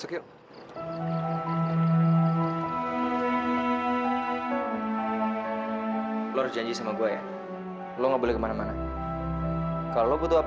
kok randy bisa punya ini sih